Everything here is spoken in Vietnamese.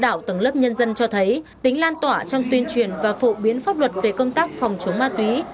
các tầng lớp nhân dân cho thấy tính lan tỏa trong tuyên truyền và phổ biến pháp luật về công tác phòng chống ma túy